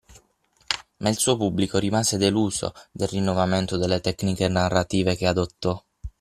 Ma il suo pubblico rimase deluso del rinnovamento delle tecniche narrative che adottò.